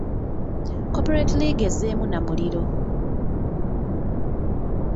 Corporate League ezzeemu na muliro.